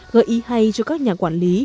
gợi ý hay cho các nhà quản lý